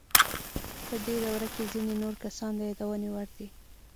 په دې دوره کې ځینې نور کسان د یادونې وړ دي.